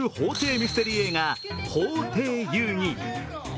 ミステリー映画「法廷遊戯」。